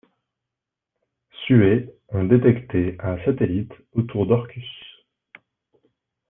Suer ont détecté un satellite autour d'Orcus.